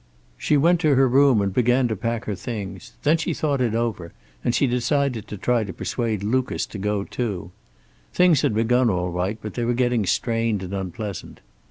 "She went to her room and began to pack her things. Then she thought it over, and she decided to try to persuade Lucas to go too. Things had begun all right, but they were getting strained and unpleasant.